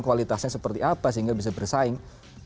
kualitasnya seperti apa sehingga bisa bersaing